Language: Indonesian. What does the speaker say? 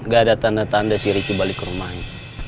gak ada tanda tanda si ricky balik ke rumahnya